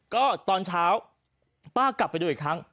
ก็ตอนเช้าป้ากลับไปดูอีกครั้ง